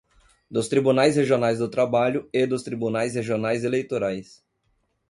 dos Tribunais Regionais do Trabalho e dos Tribunais Regionais Eleitorais